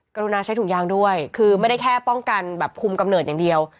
กรุณาใช้ถุงยางด้วยคือไม่ได้แค่ป้องกันแบบคุมกำเนิดอย่างเดียว